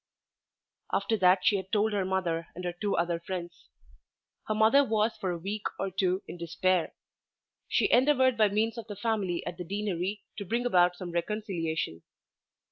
After that she told her mother and her two other friends. Her mother was for a week or two in despair. She endeavoured by means of the family at the Deanery to bring about some reconciliation.